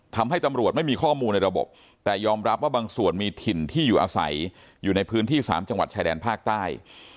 ทำให้ตำรวจไม่มีข้อมูลในระบบแต่ยอมรับว่าบางส่วนมีถิ่นที่อยู่อาศัยอยู่ในพื้นที่๓จังหวัดชายแดนภาคใต้